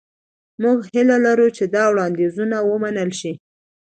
موږ هیله لرو چې دا وړاندیزونه ومنل شي.